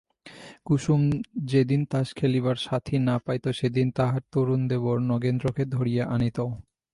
কুসুম যেদিন তাস খেলিবার সাথি না পাইত সেদিন তাহার তরুণ দেবর নগেন্দ্রকে ধরিয়া আনিত।